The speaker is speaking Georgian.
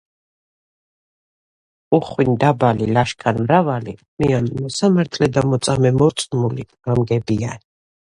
უხვინ დაბალი ლაშქან მრავალი ყმიანი მოსამართლე და მოწამე მორწმული გამგებიანი